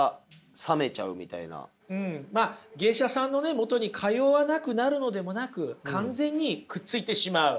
まあ芸者さんのねもとに通わなくなるのでもなく完全にくっついてしまう。